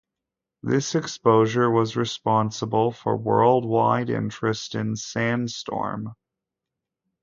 This exposure was responsible for worldwide interest in "Sandstorm".